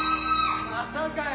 またかよ！